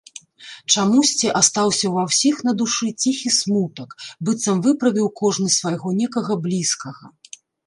Чамусьці астаўся ва ўсіх на душы ціхі смутак, быццам выправіў кожны свайго некага блізкага.